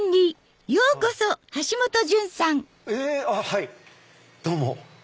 はいどうも。